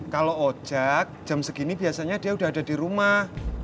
kalau ojek jam segini biasanya dia udah ada di rumah